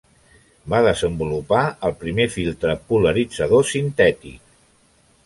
Va desenvolupar el primer filtre polaritzador sintètic.